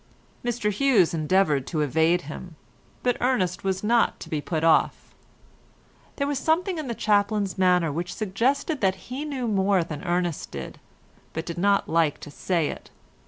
Mr Hughes endeavoured to evade him, but Ernest was not to be put off. There was something in the chaplain's manner which suggested that he knew more than Ernest did, but did not like to say it.